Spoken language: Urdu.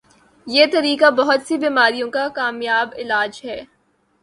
یہ طریقہ بہت سی بیماریوں کا کامیابعلاج ہے